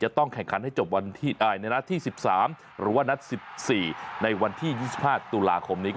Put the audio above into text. ต้องแข่งขันให้จบในนัดที่๑๓หรือว่านัด๑๔ในวันที่๒๕ตุลาคมนี้